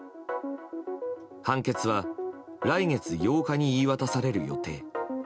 判決は来月８日に言い渡される予定。